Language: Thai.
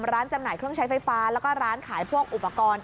จำหน่ายเครื่องใช้ไฟฟ้าแล้วก็ร้านขายพวกอุปกรณ์